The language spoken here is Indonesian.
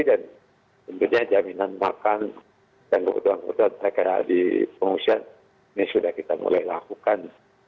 dan sebenarnya jaminan makan dan kebetulan kebetulan saya kira di pengungsian ini sudah kita mulai lakukan